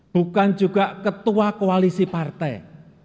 bukan juga ketua koalisi partai